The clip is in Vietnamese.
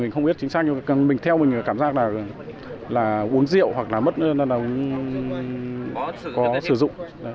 không biết chính xác nhưng mà mình theo mình là cảm giác là uống rượu hoặc là có sử dụng